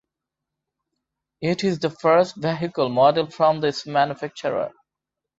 It is the first vehicle model from this manufacturer.